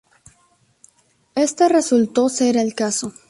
Este resultó ser el caso.